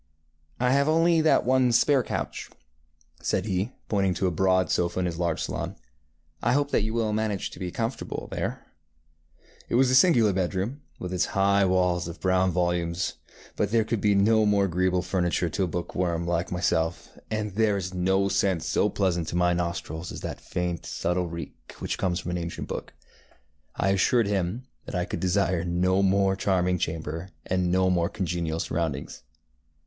ŌĆ£I have only that one spare couch, ŌĆØ said he, pointing to a broad sofa in his large salon; ŌĆ£I hope that you will manage to be comfortable there. ŌĆØ It was a singular bedroom, with its high walls of brown volumes, but there could be no more agreeable furniture to a bookworm like myself, and there is no scent so pleasant to my nostrils as that faint, subtle reek which comes from an ancient book. I assured him that I could desire no more charming chamber, and no more congenial surroundings.